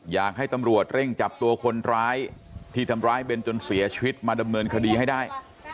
อยากให้ตำรวจเร่งจับตัวคนร้ายที่ทำร้ายเบนจนเสียชีวิตมาดำเนินคดีให้ได้